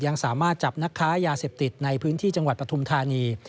ยังสามารถจับนักค้ายาเสพติดในพื้นที่จังหวัดปฐุมธานี